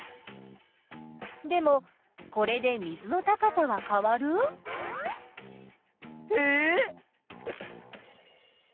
でもこれで水の高さは変わる？えっ？